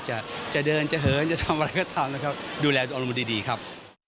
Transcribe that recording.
จะเดินจะเหินจะทำอะไรก็ทำนะครับดูแลอารมณ์ดีครับ